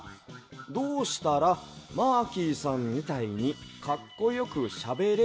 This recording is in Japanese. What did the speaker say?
どうしたらマーキーさんみたいにかっこよくしゃべれるのダ？」。